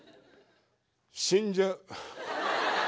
死んじゃう。